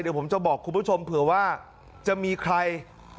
เดี๋ยวผมจะบอกคุณผู้ชมเผื่อว่าจะมีใคร